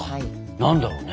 何だろうね。